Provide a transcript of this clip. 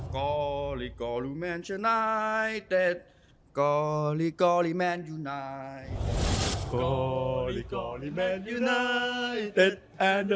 กอริกอลุแมนชะนายเต็ดกอริกอลิแมนยูไนเต็ด